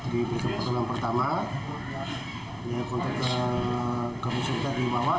di perkembangan pertama kontak ke bapak ibu di bawah